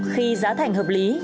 khi giá thành hợp lý